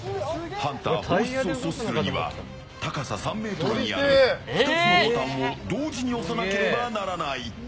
ハンター放出を阻止するには高さ３ｍにある２つのボタンを同時に押さなければならない。